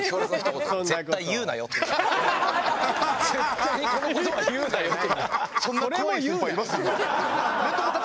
「絶対にこの事は言うなよ」っていう。